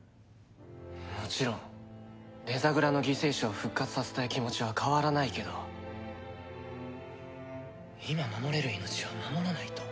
もちろんデザグラの犠牲者を復活させたい気持ちは変わらないけど今守れる命を守らないと。